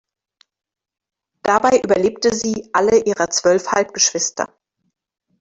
Dabei überlebte sie alle ihrer zwölf Halbgeschwister.